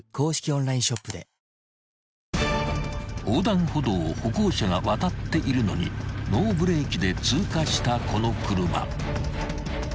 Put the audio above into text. ［横断歩道を歩行者が渡っているのにノーブレーキで通過したこの車］